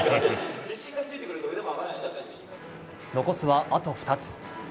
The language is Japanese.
残すは、あと２つ。